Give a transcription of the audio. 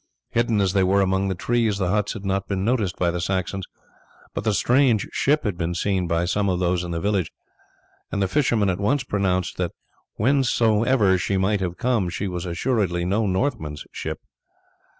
Hidden as they were among the trees the huts had not been noticed by the Saxons, but the strange ship had been seen by some of those in the village, and the fishermen at once pronounced that whencesoever she might have come she was assuredly no Northman's ship.